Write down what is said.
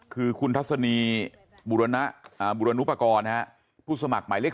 คือคุณทัศนีบุรณนักอ่าบุรณอุปกรณ์นะฮะผู้สมัครใหม่เลข๑๐